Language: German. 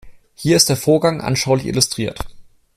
Hier ist der Vorgang anschaulich illustriert.